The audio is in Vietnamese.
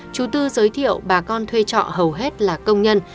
chú tư giới thiệu bà con thuê trọ hầu hết là công nhân